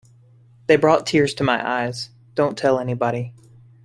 They brought tears to my eyes; don't tell anybody.